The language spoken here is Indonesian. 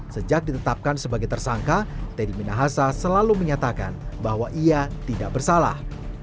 sejak ditetapkan sebagai tersangka teddy minahasa selalu menyatakan bahwa ia tidak bersalah